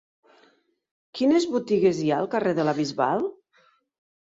Quines botigues hi ha al carrer de la Bisbal?